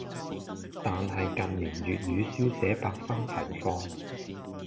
但係近年粵語書寫百花齊放